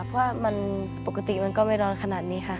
เพราะว่ามันปกติมันก็ไม่ร้อนขนาดนี้ค่ะ